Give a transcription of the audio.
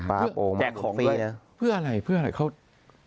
ป้าโป่งม้ามุนฟรีนะครับเพื่ออะไรเขา